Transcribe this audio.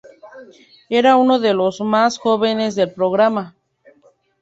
Era uno de los más jóvenes del programa.